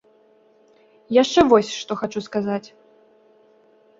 Яшчэ вось што хачу сказаць.